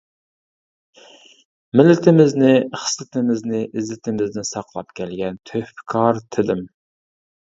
مىللىتىمىزنى، خىسلىتىمىزنى، ئىززىتىمىزنى ساقلاپ كەلگەن تۆھپىكار تىلىم.